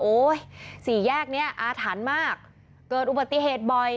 โอ๊ยสี่แยกนี้อาถันมากเกิดอุบัติเหตุบ่อย